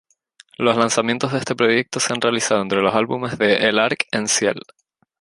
Los lanzamientos de este proyecto se han realizado entre los álbumes con L'Arc-en-Ciel.